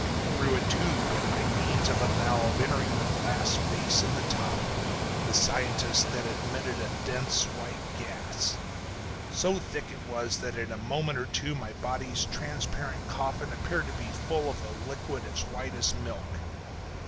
Through a tube, and by means of a valve entering the glass vase in the top, the scientist then admitted a dense white gas. So thick was it that in a moment or two my body's transparent coffin appeared to be full of a liquid as white as milk.